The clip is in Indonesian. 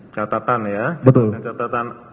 catatan ya catatan